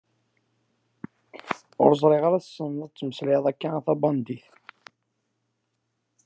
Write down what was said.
Ur ẓriɣ ara tesneḍ ad temmeslayeḍ akka a tabandit.